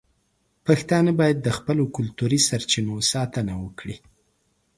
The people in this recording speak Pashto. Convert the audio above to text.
پښتانه باید د خپلو کلتوري سرچینو ساتنه وکړي.